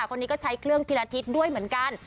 คนนี้ก็ใช้เครื่องทีละทิศด้วยเหมือนกัน